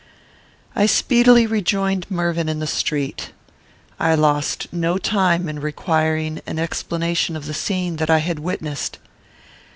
I speedily rejoined Mervyn in the street. I lost no time in requiring an explanation of the scene that I had witnessed.